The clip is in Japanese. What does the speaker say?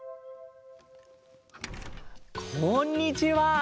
こんにちは！